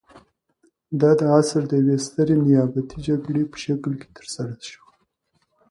دا د عصر د یوې سترې نیابتي جګړې په شکل کې ترسره شوه.